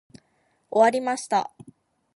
終わりました。